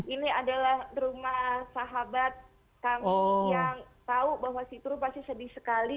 ini adalah rumah sahabat kami yang tahu bahwa si tur pasti sedih sekali